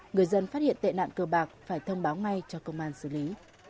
người dân phát hiện tệ nạn cơ bạc phải thông báo ngay cho công an xử lý